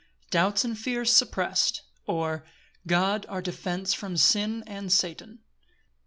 Doubts and fears supprest; or, God our defence from sin and Satan.